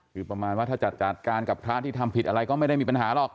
คือประมาณว่าถ้าจะจัดการกับพระที่ทำผิดอะไรก็ไม่ได้มีปัญหาหรอก